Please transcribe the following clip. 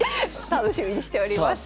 楽しみにしております。